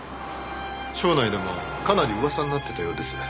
省内でもかなり噂になっていたようです。